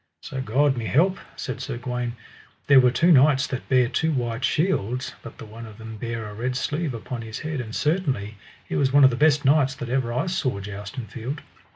So God me help, said Sir Gawaine, there were two knights that bare two white shields, but the one of them bare a red sleeve upon his head, and certainly he was one of the best knights that ever I saw joust in field.